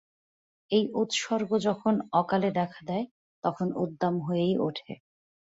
এই উপসর্গ যখন অকালে দেখা দেয় তখন উদ্দাম হয়েই ওঠে।